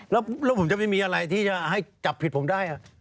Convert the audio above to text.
แล้วผมจะไม่มีอะไรที่จะให้จับผิดผมได้